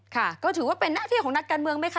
ค่ะก็ถือว่าเป็นหน้าที่ของนักการเมืองไหมคะ